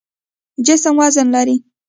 جسم وزن لري.